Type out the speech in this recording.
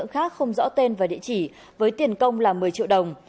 khác không rõ tên và địa chỉ với tiền công là một mươi triệu đồng